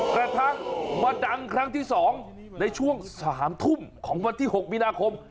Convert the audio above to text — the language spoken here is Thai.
กระทั่งมาดังครั้งที่๒ในช่วง๓ทุ่มของวันที่๖มีนาคม